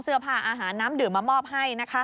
เสื้อผ้าอาหารน้ำดื่มมามอบให้